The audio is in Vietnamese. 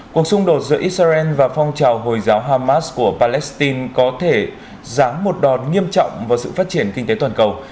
cuộc xung đột giữa israel và phong trào hồi giáo hamas của palestine có thể ráng một đòn nghiêm trọng vào sự phát triển kinh tế toàn cầu